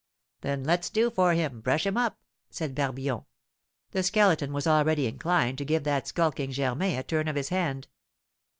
"Then let's do for him, brush him up!" said Barbillon. The Skeleton was already inclined to give that skulking Germain a turn of his hand.